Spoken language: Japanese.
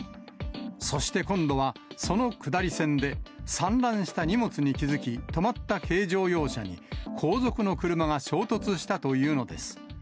そして、今度はその下り線で、散乱した荷物に気付き、止まった軽乗用車に、後続の車が衝突したというのです。